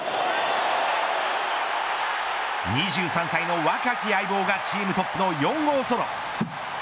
２３歳の若き相棒がチームトップの４号ソロ。